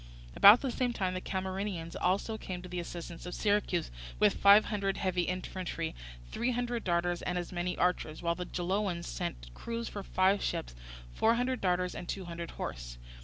About the same time the Camarinaeans also came to the assistance of Syracuse with five hundred heavy infantry, three hundred darters, and as many archers, while the Geloans sent crews for five ships, four hundred darters, and two hundred horse.